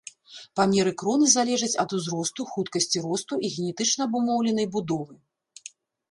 Памеры кроны залежаць ад узросту, хуткасці росту і генетычна абумоўленай будовы.